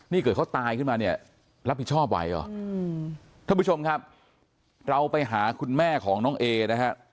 นี่เกิดเขาตายขึ้นมาเนี่ยรับผิดชอบไหวเหรอท่านผู้ชมครับเราไปหาคุณแม่ของน้องเอนะฮะ